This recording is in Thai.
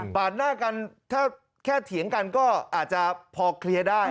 หน้ากันถ้าแค่เถียงกันก็อาจจะพอเคลียร์ได้